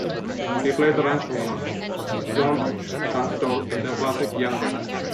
He played the ranch owner, John Tunstall, in the classic Young Guns.